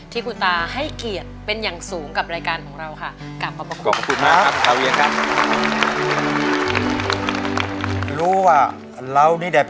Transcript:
ที่คุณตาให้เกียรติเป็นอย่างสูงกับรายการของเราค่ะ